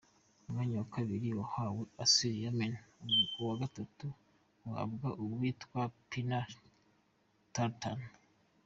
Umwanya wa kabiri wahawe Asli Sumen, uwa gatatu uhabwa uwitwa Pinar Tartan.